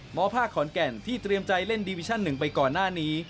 หมอภาคขอนแก่นที่เตรียมใจเล่นดีวิชั่นหนึ่งไปก่อนหน้านี้